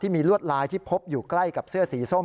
มีลวดลายที่พบอยู่ใกล้กับเสื้อสีส้ม